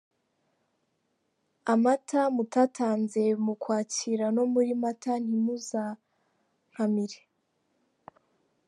Amata mutatanze mu Ukwakira no muri Mata ntimuzankamire.